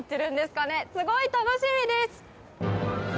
すごい楽しみです！